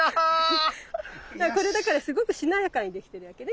これだからすごくしなやかにできてるわけね。